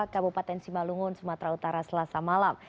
kabupaten simalungun sumatera utara selasa malam